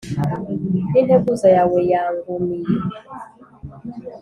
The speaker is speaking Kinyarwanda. n'integuza yawe yangumiye